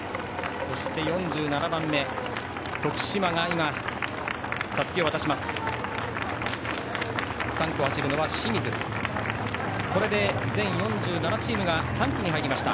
そして４７番目、徳島がたすきを渡しました。